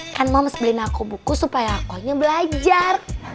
kan moms beliin aku buku supaya akunya belajar